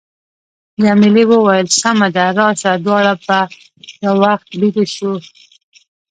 جميلې وويل:، سمه ده، راشه دواړه به یو وخت بېده شو.